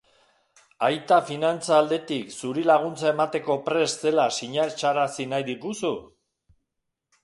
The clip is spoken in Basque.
Aita finantza aldetik zuri laguntza emateko prest zela sinetsarazi nahi diguzu?